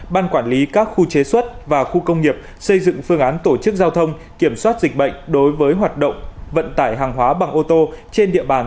ban quản lý các khu chế xuất và khu công nghiệp xây dựng phương án tổ chức giao thông kiểm soát dịch bệnh đối với hoạt động vận tải hàng hóa bằng ô tô trên địa bàn